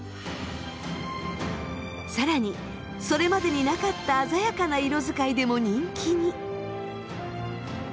更にそれまでになかった鮮やかな色使いでも人気に。